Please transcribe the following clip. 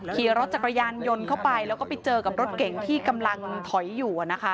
ขี่รถจักรยานยนต์เข้าไปแล้วก็ไปเจอกับรถเก่งที่กำลังถอยอยู่